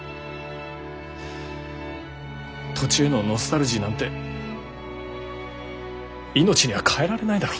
土地へのノスタルジーなんて命には代えられないだろうと。